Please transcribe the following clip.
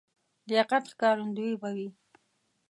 لیاقت ښکارندوی به وي.